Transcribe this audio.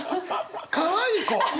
かわいい子。